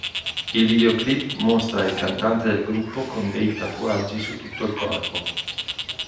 Il videoclip mostra il cantante del gruppo con dei tatuaggi su tutto il corpo.